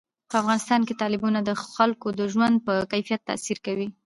په افغانستان کې تالابونه د خلکو د ژوند په کیفیت تاثیر کوي.